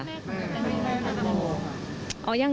แม่ใครค่ะ